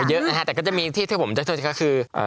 เยอะนะครับแต่ก็จะมีที่ที่ผมเจอกันก็คือ